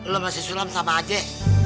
lu masih sulam sama aja